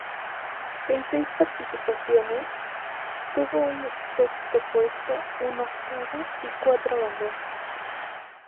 En seis participaciones, tuvo un sexto puesto, un octavo y cuatro abandonos.